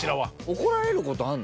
怒られることあんの？